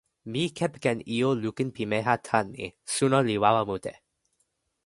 mi kepeken ilo lukin pimeja tan ni: suno li wawa mute.